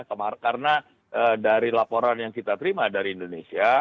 karena dari laporan yang kita terima dari indonesia